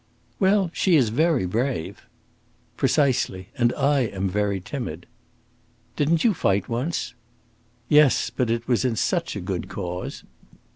"Well, she is very brave." "Precisely. And I am very timid." "Didn't you fight once?" "Yes; but it was in such a good cause!"